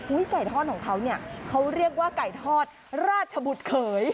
ไก่ทอดของเขาเนี่ยเขาเรียกว่าไก่ทอดราชบุตรเขย